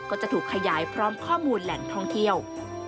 ก็จะถูกขยายพร้อมข้อมูลแหล่งท่องเที่ยว